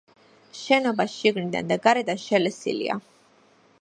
შენობა შიგნიდან და გარედან შელესილია.